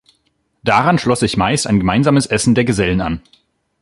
Daran schloss sich meist ein gemeinsames Essen der Gesellen an.